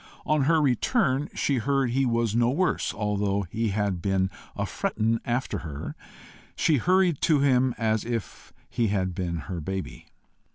On her return she heard he was no worse, although he had "been a frettin' after her." She hurried to him as if he had been her baby.